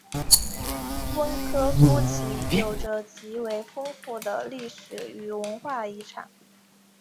温科夫齐有着极为丰富的历史与文化遗产。